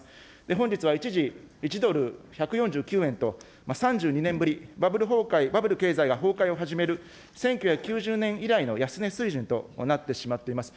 本日は一時、１ドル１４９円と、３２年ぶり、バブル崩壊、バブル経済が崩壊を始める１９９０年以来の安値水準となってしまっています。